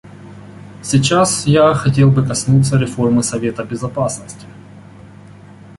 Сейчас я хотел бы коснуться реформы Совета Безопасности.